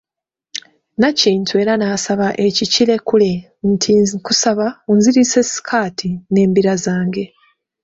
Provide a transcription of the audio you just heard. Nakintu era n'asaba ekikilekule nti, nkusaba onzirize sikaati n'embira zange.